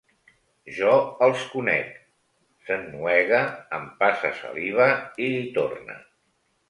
Jo els conec —s'ennuega, empassa saliva i hi torna—.